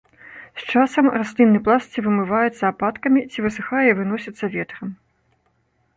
З часам раслінны пласт ці вымываецца ападкамі, ці высыхае і выносіцца ветрам.